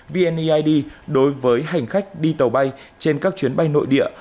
vneid đối với hành khách đi tàu bay trên các chuyến bay nội địa